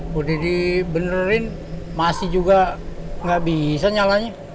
udah dibenerin masih juga nggak bisa nyalanya